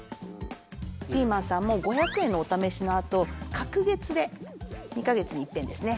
ピーマンさんも５００円のおためしのあと隔月で２か月にいっぺんですね